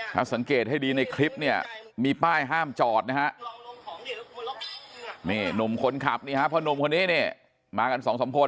ถ้าสังเกตให้ดีในคลิปเนี่ยมีป้ายห้ามจอดนะฮะนี่หนุ่มคนขับนี่ฮะพ่อนุ่มคนนี้เนี่ยมากันสองสามคน